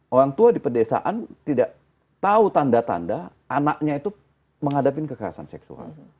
orang tua di pedesaan tidak tahu tanda tanda anaknya itu menghadapi kekerasan seksual